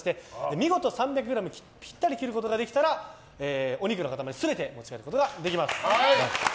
見事３００ｇぴったり切ることができればお肉の塊全て持ち帰ることができます。